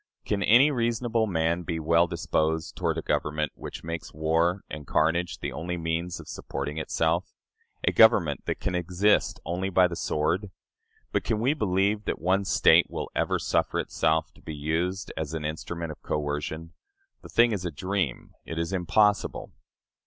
Can any reasonable man be well disposed toward a government which makes war and carnage the only means of supporting itself a government that can exist only by the sword?... But can we believe that one State will ever suffer itself to be used as an instrument of coercion? The thing is a dream it is impossible."